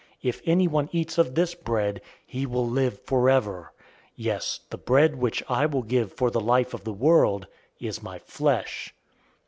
If anyone eats of this bread, he will live forever. Yes, the bread which I will give for the life of the world is my flesh."